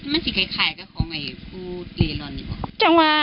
มันจะคล้ายกับของไอผู้เรียนร้อนหรือเปล่า